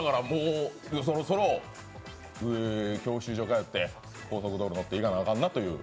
そろそろ教習所に通って高速道路に乗って行かなあかんなと？